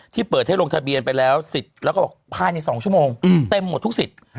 ที่เปิดให้ลงทะเบียนไปแล้วสิทธิ์แล้วก็ผ่านใน๒ชมเต็มหมดทุกสิทธิ์